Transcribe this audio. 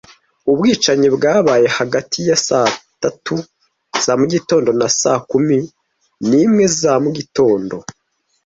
Ubwicanyi bwabaye hagati ya saa tatu za mugitondo na saa kumi n'imwe za mugitondo